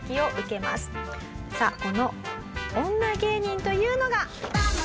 さあこの女芸人というのが。